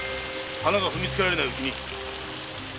花が踏みつけられないうちに。